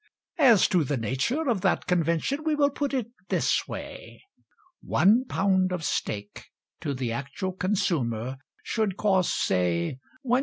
As to the nature of that convention We will put it this way: One pound of steak To the actual consumer Should cost, say, 1s.